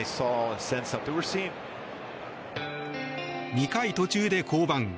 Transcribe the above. ２回途中で降板。